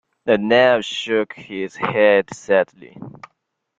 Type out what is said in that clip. The Knave shook his head sadly.